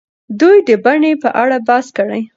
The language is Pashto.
دوی د بڼې په اړه بحث کړی.